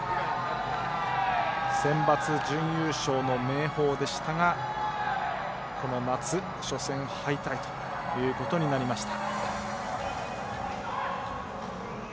センバツ準優勝の明豊でしたがこの夏初戦敗退ということになりました。